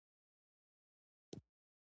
افغانستان د پابندی غرونه له امله شهرت لري.